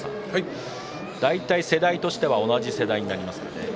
大体世代としては同じ世代になりますかね。